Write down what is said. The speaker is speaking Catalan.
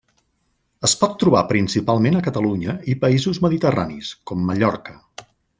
Es pot trobar principalment a Catalunya i països mediterranis, com Mallorca.